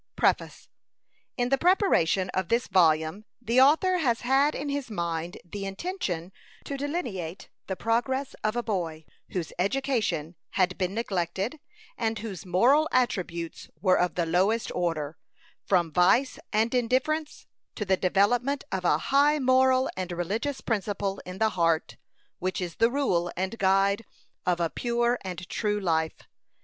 PREFACE. In the preparation of this volume, the author has had in his mind the intention to delineate the progress of a boy whose education had been neglected, and whose moral attributes were of the lowest order, from vice and indifference to the development of a high moral and religious principle in the heart, which is the rule and guide of a pure and true life.